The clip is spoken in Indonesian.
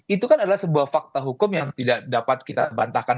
itu kan adalah sebuah fakta hukum yang tidak dapat kita bantahkan